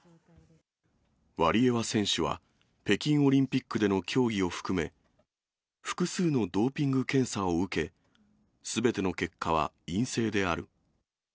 ワリエワ選手は、北京オリンピックでの競技を含め、複数のドーピング検査を受け、すべての結果は陰性である。